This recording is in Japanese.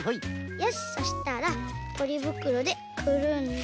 よしそしたらポリぶくろでくるんで。